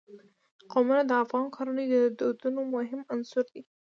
قومونه د افغان کورنیو د دودونو مهم عنصر دی.